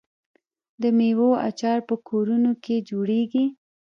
د میوو اچار په کورونو کې جوړیږي.